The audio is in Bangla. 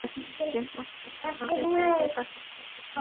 কিন্তু আপিল বিভাগ সাঈদীর ফাঁসির সাজা কমিয়ে তাঁকে আমৃত্যু কারাদণ্ড দেন।